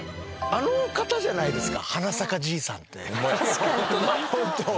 あの人じゃないですか。